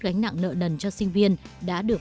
gánh nặng nợ đần cho sinh viên đã được